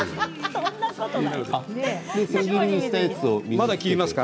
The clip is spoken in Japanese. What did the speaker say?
まだ切りますか？